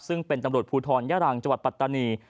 ซึ่งเป็นตำรวจภูทรยารังจปัตตานี